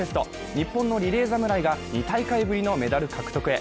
日本のリレー侍が２大会ぶりのメダル獲得へ。